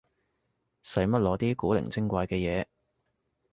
使乜攞啲古靈精怪嘅嘢